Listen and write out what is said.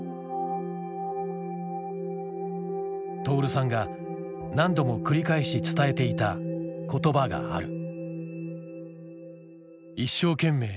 徹さんが何度も繰り返し伝えていた言葉がある。